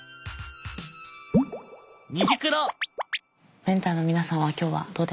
メンターの皆さんは今日はどうでしたか？